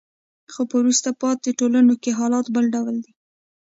خو په وروسته پاتې ټولنو کې حالت بل ډول دی.